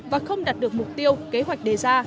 và không đạt được mục tiêu kế hoạch đề ra